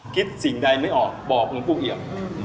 คิดสิ่งใดไม่ออกบอกหลวงปู่เอี่ยม